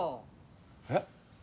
えっ？